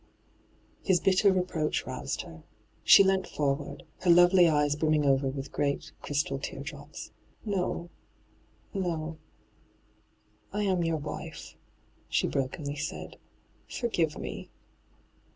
His bitter reproach roused her. She leant forward, her lovely eyes brimming over with great crystal teardrops. ' No — no — I am your wife,' she brokenly said. ' Foi^ive me